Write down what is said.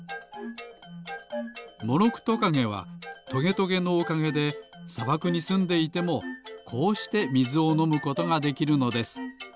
モロクトカゲはトゲトゲのおかげでさばくにすんでいてもこうしてみずをのむことができるのです。